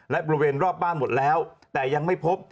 และบริเวณรอบบ้านหมดแล้วแต่ยังไม่พบ